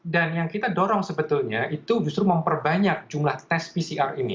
dan yang kita dorong sebetulnya itu justru memperbanyak jumlah tes pcr ini